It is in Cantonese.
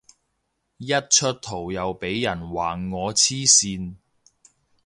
一出圖又俾人話我黐線